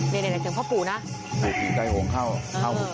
ในเนี้ยเลยเสียงพ่อปู่นะเข้าพี่ใต้หงเข้าเข้าเออ